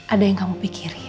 ada yang kamu pikirin